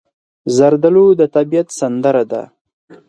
زردالو د طبیعت سندره ده.